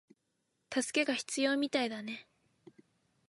助けが必要みたいだね